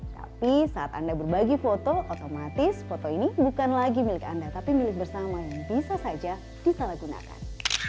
tapi saat anda berbagi foto otomatis foto ini bukan lagi milik anda tapi milik bersama yang bisa saja disalahgunakan